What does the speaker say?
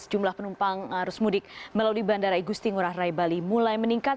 jumlah penumpang arus mudik melalui bandara igusti ngurah rai bali mulai meningkat